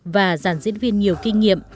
và giàn diễn viên nhiều kinh nghiệm